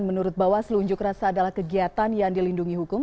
menurut bawaslu unjuk rasa adalah kegiatan yang dilindungi hukum